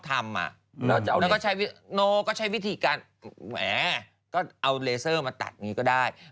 แล้วก็ใช้วิธีการแหมก็เอาเลเซอร์มาตัดก็ได้